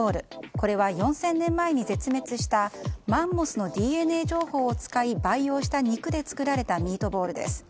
これは４０００年前に絶滅したマンモスのＤＮＡ情報を使い培養した肉で作られたミートボールです。